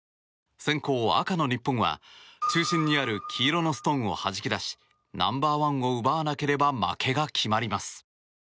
先攻、赤の日本は中心にある黄色のストーンをはじき出しナンバー１を奪わなければ負けが決まります。